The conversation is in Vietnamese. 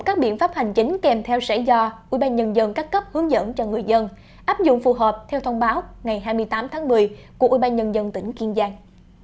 các biện pháp hành chính kèm theo sẽ do ubnd các cấp hướng dẫn cho người dân áp dụng phù hợp theo thông báo ngày hai mươi tám tháng một mươi của ubnd tỉnh kiên giang